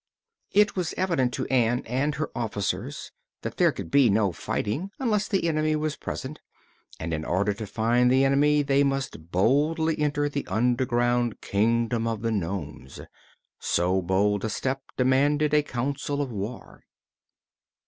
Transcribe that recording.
It was evident to Ann and her officers that there could be no fighting unless the enemy was present, and in order to find the enemy they must boldly enter the underground Kingdom of the nomes. So bold a step demanded a council of war.